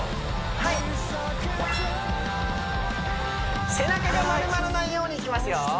はい背中が丸まらないようにいきますよ